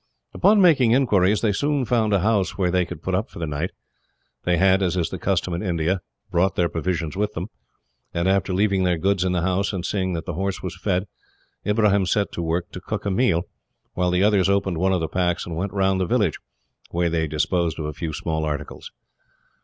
Upon making inquiries, they soon found a house where they could put up for the night. They had, as is the custom in India, brought their provisions with them, and after leaving their goods in the house, and seeing that the horse was fed, Ibrahim set to work to cook a meal; while the others opened one of the packs, and went round the village, where they disposed of a few small articles.